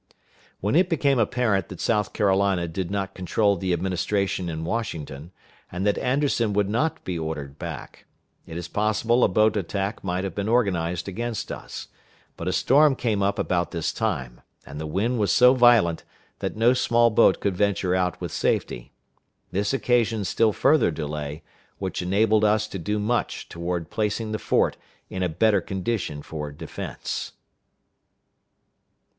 When it became apparent that South Carolina did not control the Administration in Washington, and that Anderson would not be ordered back, it is possible a boat attack might have been organized against us; but a storm came up about this time, and the wind was so violent that no small boat could venture out with safety. This occasioned still further delay, which enabled us to do much toward placing the fort in a better condition for defense.